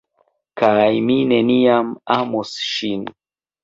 kaj mi neniam amos ŝin!